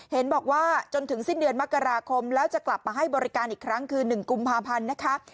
เห็นบอกว่าจนถึงสิ้นเดือนมกราคมแล้วจะกลับมาให้บริการอีกครั้งคือ๑กุมภาพันธ์นะคะ